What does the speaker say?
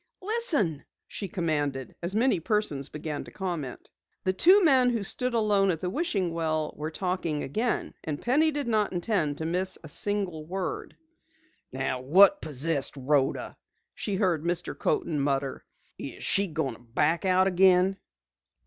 "Listen!" she commanded, as many persons began to comment. The two men who stood alone at the wishing well were talking again, and Penny did not intend to miss a single word. "Now what possessed Rhoda?" she heard Mr. Coaten mutter. "Is she going to back out again?"